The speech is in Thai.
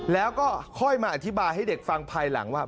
แล้วก็ค่อยมาอธิบายให้เด็กฟังภายหลังว่า